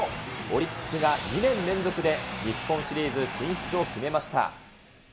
オリックスが２年連続で日本シリーズ進出を決めました。